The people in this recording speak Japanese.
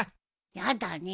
やだね